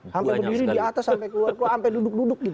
sampai berdiri di atas sampai keluar sampai duduk duduk